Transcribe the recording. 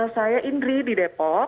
saya indri di depok